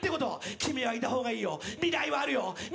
君はいた方がいいよ、未来はあるよ。